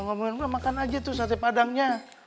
ngomongin gue makan aja tuh sate padangnya